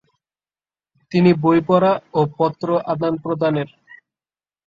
তিনি বই পড়া ও পত্র আদান-প্রদানের